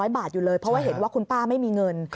๐บาทอยู่เลยเพราะว่าเห็นว่าคุณป้าไม่มีเงิน